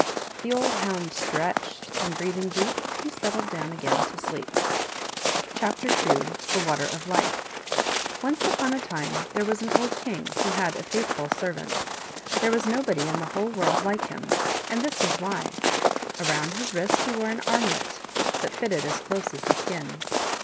3 The old Hound stretched, Andjbreathing deep, He settled down Again to sleep. T* II. NCE upon a time there was an old king who had a faithful servant. There was nobody in the whole world like him, and this was why: around his wrist he wore an armlet that fitted as close as the skin.